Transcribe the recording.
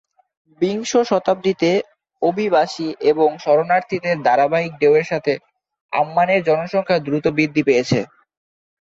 বিংশ শতাব্দীতে অভিবাসী এবং শরণার্থীদের ধারাবাহিক ঢেউয়ের সাথে আম্মানের জনসংখ্যা দ্রুত বৃদ্ধি পেয়েছে।